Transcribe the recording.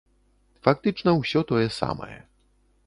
Фактычна ўсё тое самае.